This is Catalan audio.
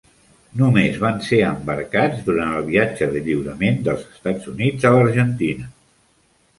Només van ser embarcats durant el viatge de lliurament dels Estats Units a l'Argentina.